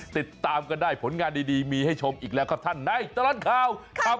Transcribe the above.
ติดตามกันได้ผลงานดีมีให้ชมอีกแล้วครับท่านในตลอดข่าว